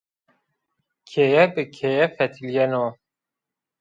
Keye bi keye fetelîyeno